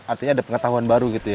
artinya ada pengetahuan baru gitu ya